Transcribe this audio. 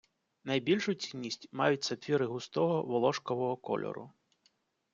Найбільшу цінність мають сапфіри густового волошкового кольору